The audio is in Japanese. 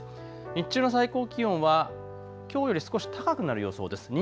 日中の最高気温はきょうより少し高くなる予想です。